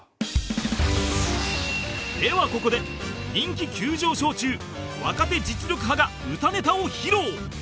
ではここで人気急上昇中若手実力刃が歌ネタを披露